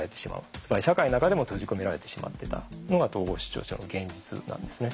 つまり社会の中でも閉じ込められてしまってたのが統合失調症の現実なんですね。